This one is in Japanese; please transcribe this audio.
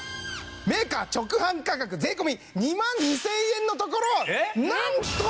メーカー直販価格税込２万２０００円のところなんと！